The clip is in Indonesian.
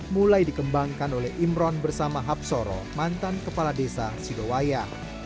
mulai dikembangkan oleh imron bersama habsoro mantan kepala desa sidowaya